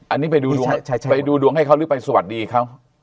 อันนี้ไปดูดวงไปดูดวงให้เขาหรือไปสวัสดีเขา